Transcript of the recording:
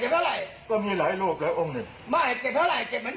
สร้างวัดนี่แล้วสถานการณ์เป็นคนสร้างไหม